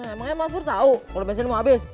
emangnya mas pur tau kalo bensinnya mau abis